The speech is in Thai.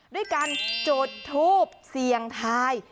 ด้วยการจุดทูปเสี่ยงทาย